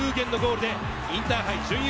山田楓元のゴールでインターハイ